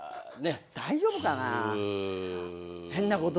大丈夫かな？